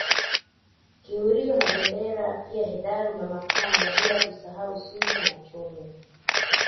Kihurio na Bendera pia Hedaru na Makanya bila kusahau Suji na Chome